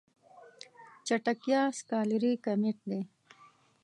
چټکتيا سکالري کميت دی.